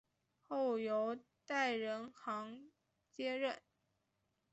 后由戴仁行接任。